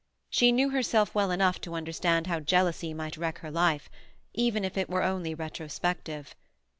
She knew herself well enough to understand how jealousy might wreck her life—even if it were only retrospective.